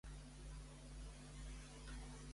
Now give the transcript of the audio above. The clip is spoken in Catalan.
Quin fet ha recriminat Otegi?